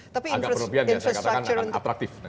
agak berlebihan ya saya katakan akan atraktif